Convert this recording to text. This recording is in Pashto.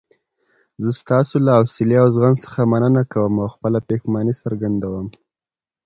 زه ستاسو له حوصلې او زغم څخه مننه کوم او خپله پښیماني څرګندوم.